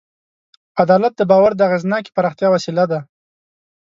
عدالت د باور د اغېزناکې پراختیا وسیله ده.